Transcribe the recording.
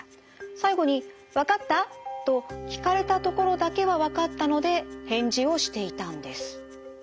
最後に「わかった？」と聞かれたところだけはわかったので返事をしていたんです。